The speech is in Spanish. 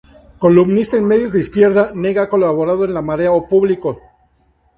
Columnista en medios de izquierda, Nega ha colaborado en "La Marea" o "Público".